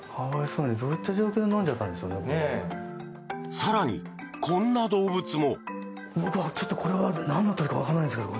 更に、こんな動物も。